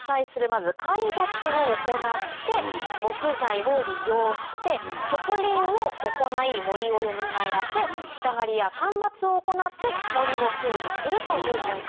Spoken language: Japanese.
まず皆伐を行って木材を利用して植林を行い森をよみがえらせ下刈りや間伐を行って森を整備するという循環です。